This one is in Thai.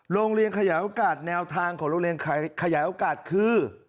โรงเรียนขยายโอกาสแนวทางของโรงเรียนขยายโอกาสคือ